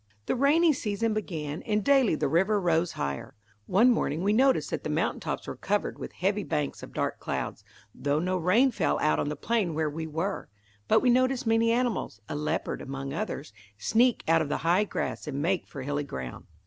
The rainy season began, and daily the river rose higher. One morning we noticed that the mountain tops were covered with heavy banks of dark clouds, though no rain fell out on the plain where we were; but we noticed many animals, a leopard among others, sneak out of the high grass and make for hilly ground.